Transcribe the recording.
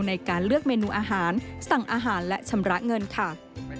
ในการเลือกเมนูอาหารสั่งอาหารและชำระเงินค่ะ